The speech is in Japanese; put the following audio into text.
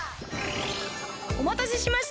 おまたせしました！